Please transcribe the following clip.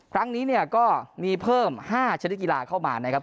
ครั้งนี้เนี่ยก็มีเพิ่ม๕ชนิดกีฬาเข้ามานะครับ